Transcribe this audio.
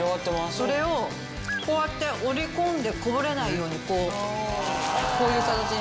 それをこうやって折り込んでこぼれないようにこうこういう形に。